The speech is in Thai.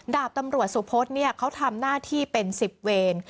ดาบตำรวจสุพธเขาทำหน้าที่เป็น๑๐เวร